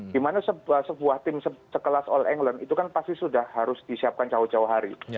dimana sebuah tim sekelas all england itu kan pasti sudah harus disiapkan jauh jauh hari